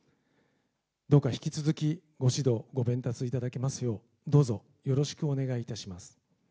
どうか引き続き、ご指導、ご鞭撻いただけますようどうぞ、よろしくお願いいたします。